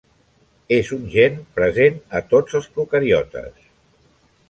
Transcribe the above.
És un gen present a tots els procariotes.